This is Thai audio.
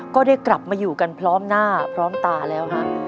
ก็ได้กลับมาอยู่กันพร้อมหน้าพร้อมตาแล้วฮะ